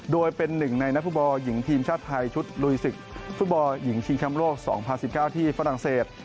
โดยเป็นหนึ่งในนักฟุตบอลหญิงทีมชาติไทยชุดลุยศึกฟุตบอลหญิงชิงแชมป์โลก๒๐๑๙ที่ฝรั่งเศส